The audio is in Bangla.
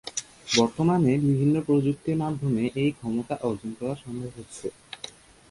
বর্তমানে বিভিন্ন প্রযুক্তির মাধ্যমে এই ক্ষমতা অর্জন করা সম্ভব হচ্ছে।